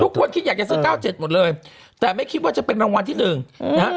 คิดอยากจะซื้อ๙๗หมดเลยแต่ไม่คิดว่าจะเป็นรางวัลที่หนึ่งนะฮะ